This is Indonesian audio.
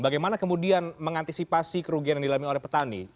bagaimana kemudian mengantisipasi kerugian yang dilami oleh petani